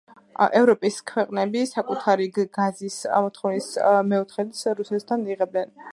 ევროპის ქვეყნები საკუთარი გაზის მოთხოვნის მეოთხედს რუსეთისგან იღებენ.